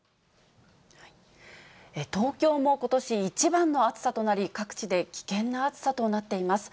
東京も、ことし一番の暑さとなり、各地で危険な暑さとなっています。